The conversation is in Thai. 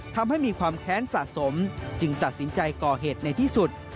ทำให้มีความแค้นสะสมจึงตัดสินใจก่อเหตุในที่สุด